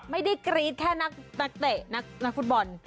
ไม่ได้กรี๊ดแค่นักเตะนักฟุตบอล